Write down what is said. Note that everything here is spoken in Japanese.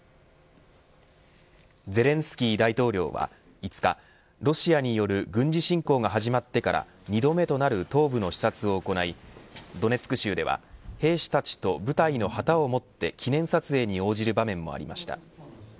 ゼレンスキー大統領は５日ロシアによる軍事侵攻が始まってから２度目となる東部の視察を行いドネツク州では兵士たちと部隊の旗を持って記念撮影に応じる場面もありました。